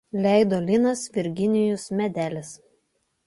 Leido Linas Virginijus Medelis.